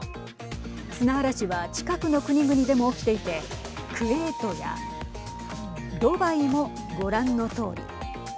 砂嵐は近くの国々でも起きていてクウェートやドバイも、ご覧のとおり。